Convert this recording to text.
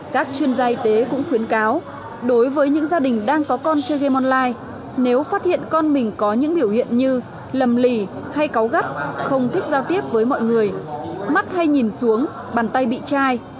các chuyên gia y tế cũng khuyến cáo đối với những gia đình đang có con chơi game online nếu phát hiện con mình có những biểu hiện như lầm lì hay có gắt không thích giao tiếp với mọi người mắt hay nhìn xuống bàn tay bị chai